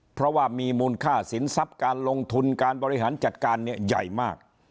เพราะว่ามีมูลค่าสินทรัพย์การลงทุนการบริหารจัดการเนี่ยใหญ่มาก